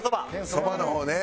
そばの方ね。